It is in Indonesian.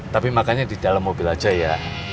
tapi makanya di dalam mobil aja ya